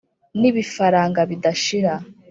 n’ibifaranga bidashira